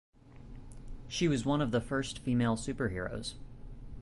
She was one of the first female superheroes.